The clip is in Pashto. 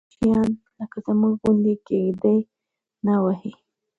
ددوی کوچیان لکه زموږ غوندې کېږدۍ نه وهي.